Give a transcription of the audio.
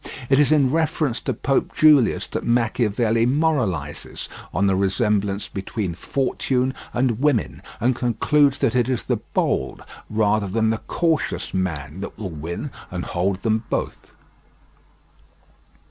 It is in reference to Pope Julius that Machiavelli moralizes on the resemblance between Fortune and women, and concludes that it is the bold rather than the cautious man that will win and hold them both.